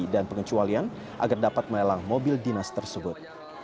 dan pengecualian agar dapat melelang mobil dinas tersebut